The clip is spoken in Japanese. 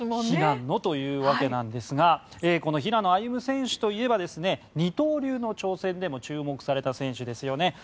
悲願のというわけなんですがこの平野歩夢選手といえば二刀流の挑戦でも注目された選手ですよね。